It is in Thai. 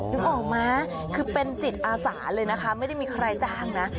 นึกออกมั้ยคือเป็นจิตอาสาเลยนะคะไม่ได้มีใครจ้างนะ